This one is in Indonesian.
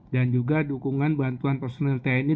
dan juga dukungan bantuan personal tni